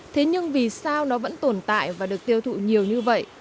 thế nhưng vì sao nó vẫn tồn tại và được tiêu thụ nhiều như vậy